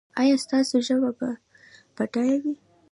ایا ستاسو ژبه به بډایه وي؟